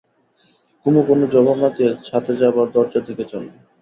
কুমু কোনো জবাব না দিয়ে ছাতে যাবার দরজার দিকে চলল।